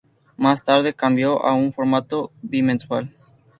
Más tarde cambió a un formato bimensual.